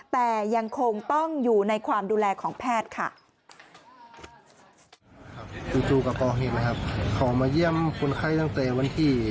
แต่ยังคงต้องอยู่ในความดูแลของแพทย์ค่ะ